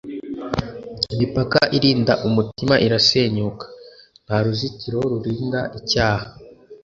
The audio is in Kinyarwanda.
Imipaka irinda umutima irasenyuka. Nta ruzitiro rurinda icyaha.